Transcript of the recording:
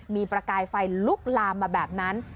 มีประกายไฟลุกลามมาแบบนั้น